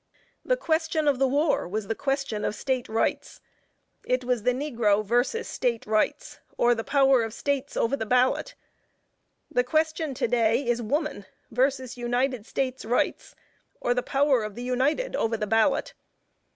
The question of the war was the question of State rights; it was the negro, vs. State rights, or the power of States over the ballot. The question to day is, woman, vs. United States rights, or the power of the United over the ballot.